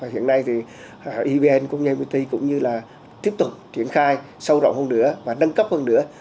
hiện nay evn công ty cũng như là tiếp tục triển khai sâu rộng hơn nữa và nâng cấp hơn nữa